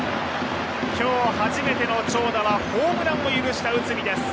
今日、初めての長打はホームランを許した内海です。